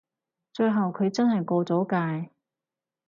最後佢真係過咗界